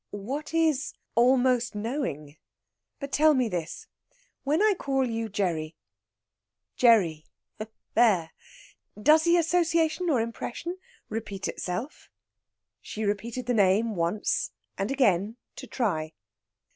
"What is 'almost knowing'? But tell me this. When I call you Gerry Gerry ... there! does the association or impression repeat itself?" She repeated the name once and again, to try.